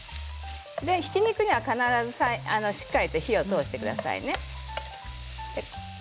ひき肉には必ずしっかりと火を通してくださいね。